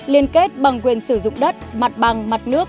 liên kết bằng quyền sử dụng đất mặt bằng mặt nước